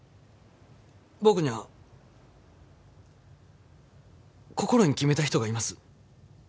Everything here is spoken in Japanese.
僕には心に決めた人がいます。